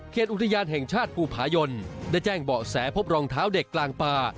อุทยานแห่งชาติภูผายนได้แจ้งเบาะแสพบรองเท้าเด็กกลางป่า